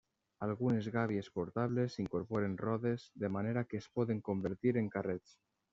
Algunes gàbies portables incorporen rodes de manera que es poden convertir en carrets.